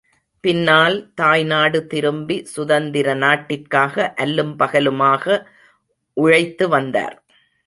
பின்னால், தாய்நாடு திரும்பி, சுதந்திர நாட்டிற்காக அல்லும் பகலுமாக உழைத்து வந்தார்.